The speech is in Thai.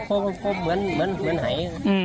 โดนดังปุ๊บทำให้คุกเหมือนหาย